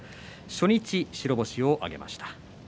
初日、白星を挙げました。